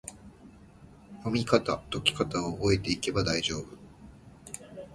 読みかた・解きかたを覚えていけば大丈夫！